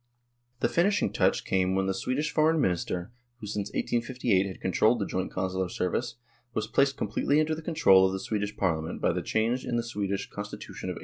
The finishing touch came when the Swedish Foreign Minister, who since 1858 had controlled the joint Consular service, was placed completely under the control of the Swedish Parliament by the change in the Swedish Constitution of 1885 (see p.